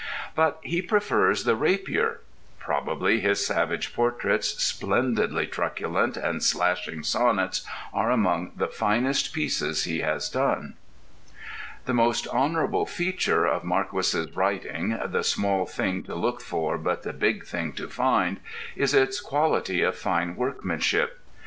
But he prefers the rapier. Probably his Savage Portraits, splendidly truculent and slashing sonnets, are among the finest pieces he has done. The most honourable feature of Marquis's writing, the "small thing to look for but the big thing to find," is its quality of fine workmanship.